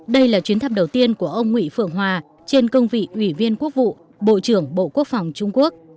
đây là chuyến thăm đầu tiên của ông nguyễn phượng hòa trên công vị ủy viên quốc vụ bộ trưởng bộ quốc phòng trung quốc